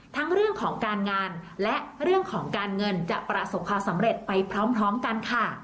ทั้งเรื่องของการงานและเรื่องของการเงินจะประสบความสำเร็จไปพร้อมกันค่ะ